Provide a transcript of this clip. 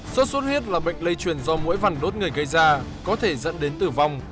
sốt xuất huyết là bệnh lây truyền do mũi vằn đốt người gây ra có thể dẫn đến tử vong